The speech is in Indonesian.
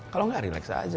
kalau enggak relax aja